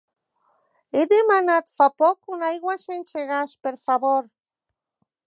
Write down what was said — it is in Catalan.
He demanat fa poc una aigua sense gas, per favor.